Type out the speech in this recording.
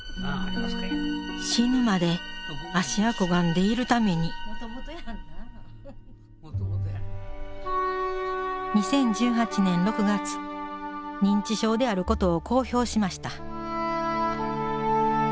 死ぬまで芦屋小雁でいるために２０１８年６月認知症であることを公表しました。